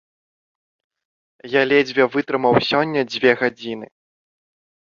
Я ледзьве вытрымаў сёння дзве гадзіны.